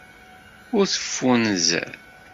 Ur teffunzer.